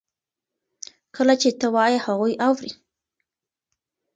کله چې ته وایې هغوی اوري.